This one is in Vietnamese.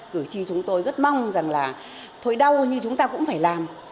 cử tri chúng tôi rất mong rằng là thôi đâu như chúng ta cũng phải làm